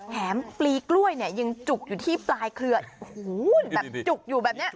ปลีกล้วยเนี่ยยังจุกอยู่ที่ปลายเคลือดโอ้โหแบบจุกอยู่แบบเนี้ย